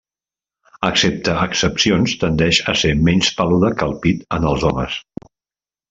Excepte excepcions tendeix a ser menys peluda que el pit en els homes.